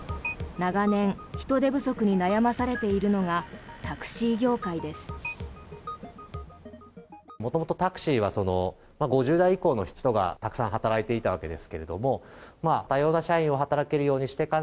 長年人手不足に悩まされているのがタクシー業界です。